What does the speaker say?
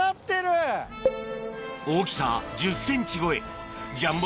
大きさ１０ｃｍ超えジャンボ